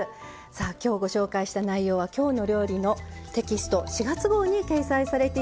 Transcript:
きょうご紹介した内容は「きょうの料理」のテキスト４月号に掲載されています。